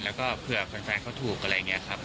และก็เผื่อแฟนเขาถูกอะไรเงี้ยครับ